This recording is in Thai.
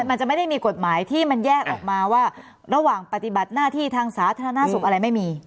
มันจะไม่ได้มีกฎหมายที่มันแยกออกมาว่าระหว่างปฏิบัติหน้าที่ทางสาธารณสุขอะไรไม่มี